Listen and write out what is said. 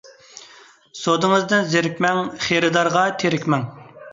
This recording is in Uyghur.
سودىڭىزدىن زېرىكمەڭ، خېرىدارغا تېرىكمەڭ.